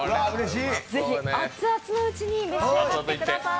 ぜひ熱々のうちに召し上がってください。